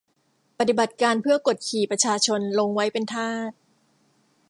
ปฏิบัติการเพื่อกดขี่ประชาชนลงไว้เป็นทาส